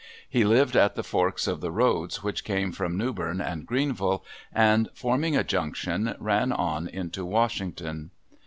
He lived at the forks of the roads which came from Newbern and Greenville, and forming a junction, ran on into Washington.